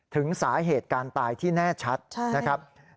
ถึงสาเหตุการตายที่แน่ชัดนะครับ